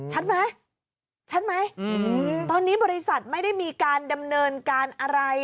ชัดไหมชัดไหมตอนนี้บริษัทไม่ได้มีการดำเนินการอะไร